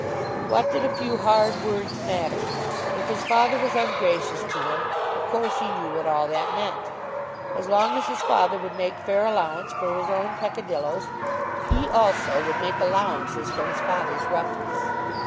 What did a few hard words matter? If his father was ungracious to him, of course he knew what all that meant. As long as his father would make fair allowance for his own peccadilloes, he also would make allowances for his father's roughness.